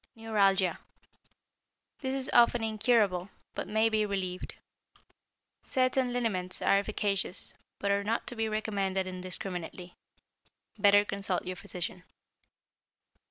=Neuralgia.= This is often incurable, but may be relieved. Certain liniments are efficacious, but are not to be recommended indiscriminately. Better consult your physician.